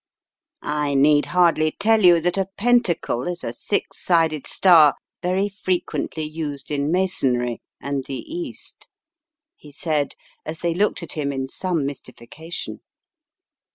"I need hardly tell you that a pentacle is a six 284 The Riddle of the Purple Emperor sided star very frequently used in masonry and the East," he said as they looked at him in some mysti fication.